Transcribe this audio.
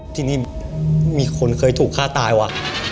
ทีนี้มีคนเคยถูกฆ่าตายว่ะ